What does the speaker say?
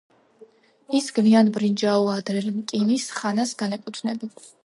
ის გვიანბრინჯაო-ადრერკინის ხანას განეკუთვნება.